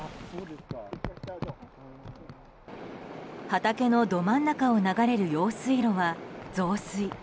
畑のど真ん中を流れる用水路は増水。